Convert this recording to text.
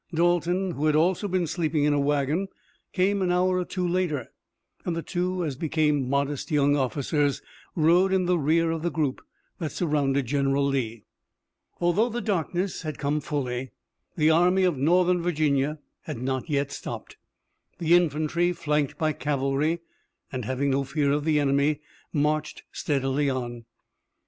Dalton, who had also been sleeping in a wagon, came an hour or two later, and the two, as became modest young officers, rode in the rear of the group that surrounded General Lee. Although the darkness had come fully, the Army of Northern Virginia had not yet stopped. The infantry flanked by cavalry, and, having no fear of the enemy, marched steadily on.